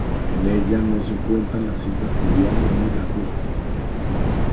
En ella no se cuentan las islas fluviales ni lacustre.